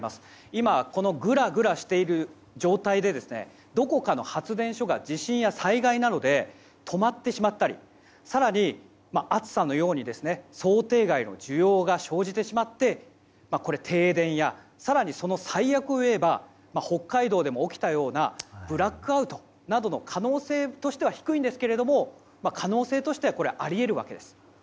今、ぐらぐらしている状態でどこかの発電所が地震や災害などで止まってしまったり更に、暑さのように想定外の需要が生じてしまって停電や更に最悪をいえば北海道でも起きたようなブラックアウトのような可能性としては低いんですけれども可能性としてはあり得るわけです。